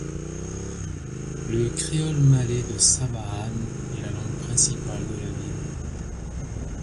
Le créole malais de Sabahan est la langue principale de la ville.